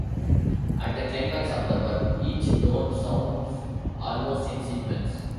At the climax of the work, each tone sounds almost in sequence.